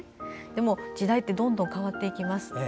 でも、時代ってどんどんと変わっていきます。